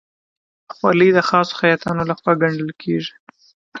خولۍ د خاصو خیاطانو لهخوا ګنډل کېږي.